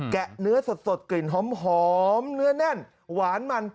ะเนื้อสดกลิ่นหอมเนื้อแน่นหวานมัน